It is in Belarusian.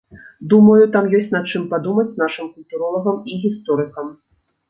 Думаю, там ёсць над чым падумаць нашым культуролагам і гісторыкам.